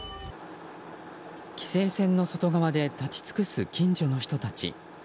規制線の外側で立ち尽くす近所の人たち。